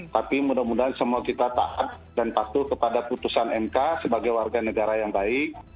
tapi mudah mudahan semua kita taat dan patuh kepada putusan mk sebagai warga negara yang baik